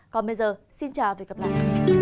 còn bây giờ xin chào và hẹn gặp lại